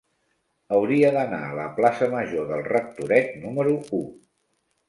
Hauria d'anar a la plaça Major del Rectoret número u.